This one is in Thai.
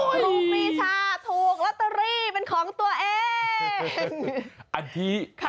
ครูปีชาถูกลอตเตอรี่เป็นของตัวเอง